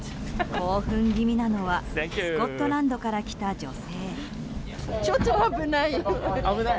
興奮気味なのはスコットランドから来た女性。